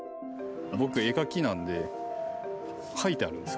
僕、絵描きなんで描いたんですよ。